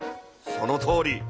そのとおり。